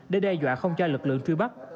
để đe dọa không cho lực lượng truy bắt